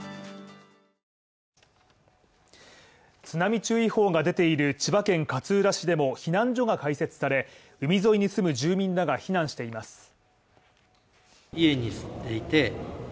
津波注意報が出ている千葉県勝浦市でも避難所が開設され、海沿いに住む住民らが避難しています。